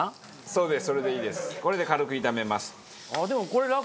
そうです。